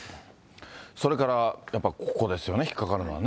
それから、やっぱここですよね、引っかかるのはね。